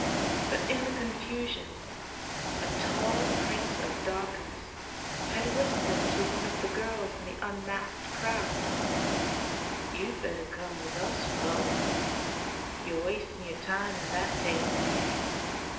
But in the confusion a tall Prince of Darkness had whispered to one of the girls in the unmasked crowd: "You'd better come with us, Flo; you're wasting time in that tame gang.